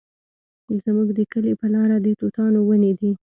زموږ د کلي په لاره د توتانو ونې دي